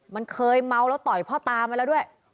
มันเคยเมาแล้วต่อยพ่อตามาแล้วด้วย